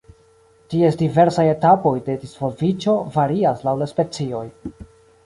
Ties diversaj etapoj de disvolviĝo varias laŭ la specioj.